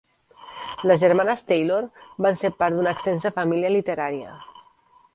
Les germanes Taylor van ser part d'una extensa família literària.